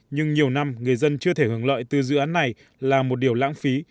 nhưng nhiều năm người dân chưa thể hưởng lợi từ dự án này là một điều lãng phí